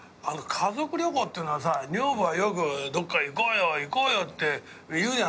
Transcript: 家族旅行っていうのはさ女房はよく「どっか行こうよ行こうよ」って言うじゃない。